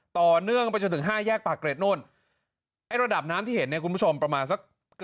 ต่อเนื่องไปจนถึงห้าแยกปากเกร็ดนู่นไอ้ระดับน้ำที่เห็นเนี่ยคุณผู้ชมประมาณสัก